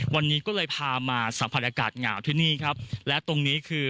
วันนี้ก็ภามาสัมพันธ์อากาศหนาวที่นี่และตรงนี้คือ